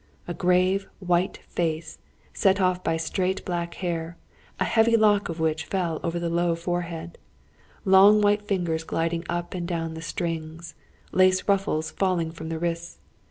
A grave, white face, set off by straight black hair, a heavy lock of which fell over the low forehead; long white fingers gliding up and down the strings, lace ruffles falling from the wrists.